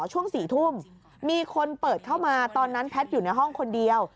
ช่วง๔ทุ่มมีคนเปิดเข้ามาตอนนั้นแพทย์อยู่ในห้องคนเดียว